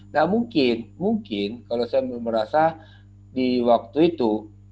nah mungkin mungkin kalau saya merasa di waktu itu